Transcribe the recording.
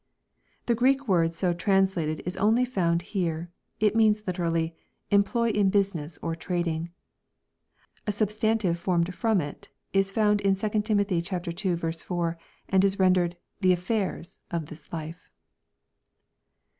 ] The Greek word so translated is only found here. It means literally, " employ in business, or trading." A substan tive formed from it is found in 2 Tim. n. 4, and is rendered " the affairs" of this life.